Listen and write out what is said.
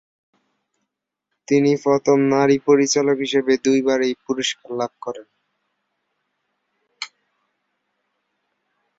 তিনি প্রথম নারী পরিচালক হিসেবে দুইবার এই পুরস্কার লাভ করেন।